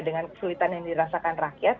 dengan kesulitan yang dirasakan rakyat